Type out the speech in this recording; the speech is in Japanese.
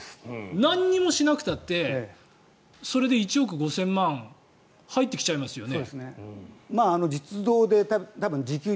何もしなくたってそれで１億５０００万入ってきちゃいますよね。